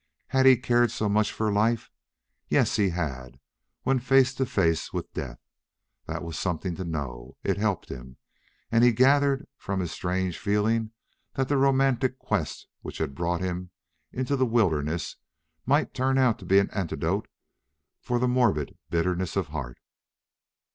Had he cared so much for life? Yes he had, when face to face with death. That was something to know. It helped him. And he gathered from his strange feeling that the romantic quest which had brought him into the wilderness might turn out to be an antidote for the morbid bitterness of heart.